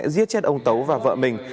giết chết ông tấu và vợ mình